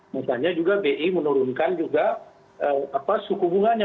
makanya juga bi menurunkan juga suku bunga